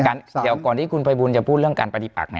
เดี๋ยวก่อนที่คุณภัยบูลจะพูดเรื่องการปฏิปัก